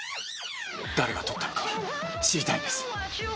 誰が撮ったのか知りたいんです。